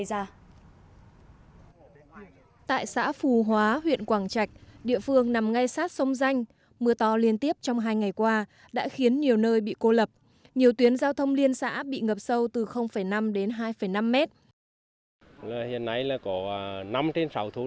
tại xã phù hóa huyện quảng trạch địa phương nằm ngay sát sông danh mưa to liên tiếp trong hai ngày qua đã khiến nhiều nơi bị cô lập nhiều tuyến giao thông liên xã bị ngập sâu từ năm đến hai năm mét